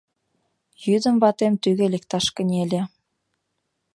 Йӱдым ватем тӱгӧ лекташ кынеле.